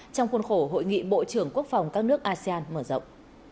trong khuôn khổ hội nghị bộ trưởng quốc phòng các nước asean mở rộng